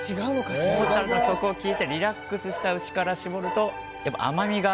モーツァルトの曲を聴いてリラックスした牛から搾ると甘みが。